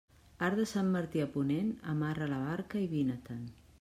Arc de Sant Martí a ponent, amarra la barca i vine-te'n.